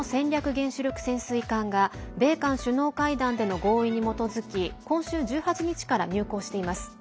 原子力潜水艦が米韓首脳会談での合意に基づき今週１８日から入港しています。